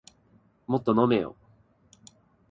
もっと飲めよ